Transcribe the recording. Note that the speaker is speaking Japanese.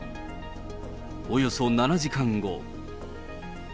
およそ７時間後。